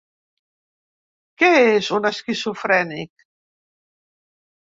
Que és un esquizofrènic?